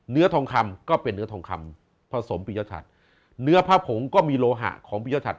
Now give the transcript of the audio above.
เนื้อทองคำก็เป็นเนื้อทองคำผสมปียชัดเนื้อผ้าผงก็มีโลหะของปียชัด